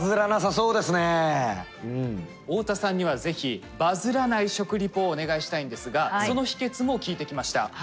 太田さんには是非バズらない食リポをお願いしたいんですがその秘訣も聞いてきました。